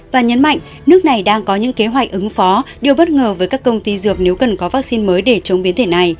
và nhấn mạnh nước này đang có những kế hoạch ứng phó điều bất ngờ với các công ty dược nếu cần có vaccine mới để chống biến thể này